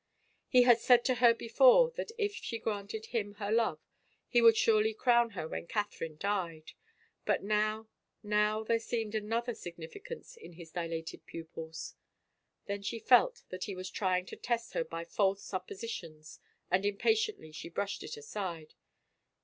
He had said to her before that if she granted him her love he would surely crown her when Catherine died, but now, now there seemed another significance in his dilated pupils I Then she felt that he was trying to test her by false suppositions and impatiently she brushed it aside.